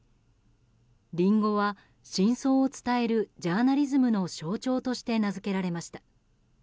リンゴは真相を伝えるジャーナリズムの象徴として名づけられました。